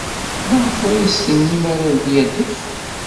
Maɣef ur as-tennim ara ad d-yadef?